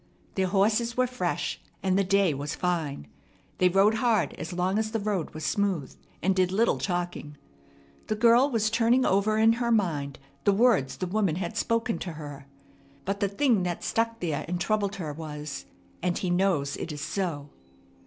Their horses were fresh, and the day was fine. They rode hard as long as the road was smooth, and did little talking. The girl was turning over in her mind the words the woman had spoken to her. But the thing that stuck there and troubled her was, "And he knows it is so."